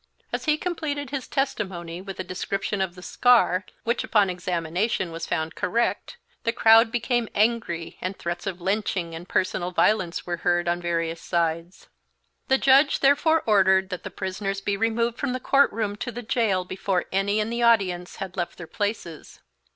As he completed his testimony with a description of the scar, which, upon examination, was found correct, the crowd became angry and threats of lynching and personal violence were heard on various sides. The judge therefore ordered that the prisoners be removed from the court room to the jail before any in the audience had left their places.